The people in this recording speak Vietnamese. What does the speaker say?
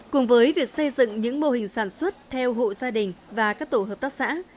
cùng với việc xây dựng những mô hình sản xuất theo hộ gia đình và các tổ hợp tác xã